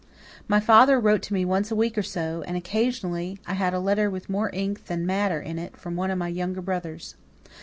My father wrote to me once a week or so, and occasionally I had a letter with more ink than matter in it from one of my younger brothers.